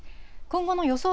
今後の予想